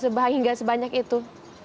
sebahagian gak sebanyak itu